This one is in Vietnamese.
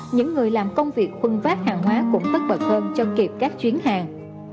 những người làm công việc khuôn vác hàng hóa cũng tất bật hơn trong kịp các chuyến hàng